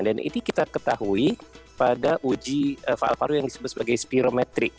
dan ini kita ketahui pada uji faal paru yang disebut sebagai spirometri